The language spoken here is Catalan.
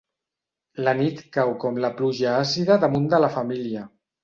La nit cau com la pluja àcida damunt de la família.